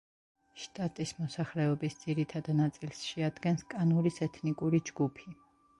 შტატის მოსახლეობის ძირითად ნაწილს შეადგენს კანურის ეთნიკური ჯგუფი.